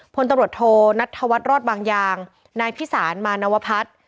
พลตำรวจโทนัทธวัฒน์รอดบางยางนายพิสารมานวพัฒน์